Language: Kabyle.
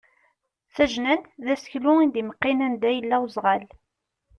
Tajnant d aseklu i d-imeqqin anda yella uzɣal.